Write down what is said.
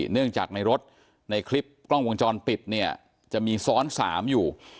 เนื่องจากในรถในคลิปกล้องวงจรปิดเนี่ยจะมีซ้อน๓อยู่